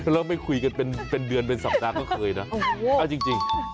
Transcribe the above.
แล้วไม่คุยกันเป็นเดือนเป็นสัปดาห์ก็เคยนะเอาจริง